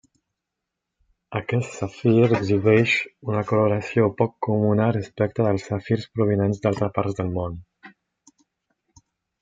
Aquest safir exhibeix una coloració poc comuna respecte dels safirs provinents d'altres parts del món.